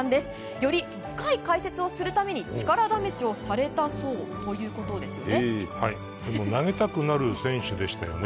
より深い解説をするために力試しをされた投げたくなる選手でしたよね。